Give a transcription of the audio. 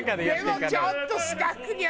でもちょっと。